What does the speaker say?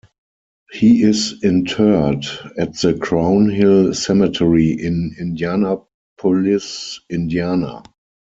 He is interred at the Crown Hill Cemetery in Indianapolis, Indiana.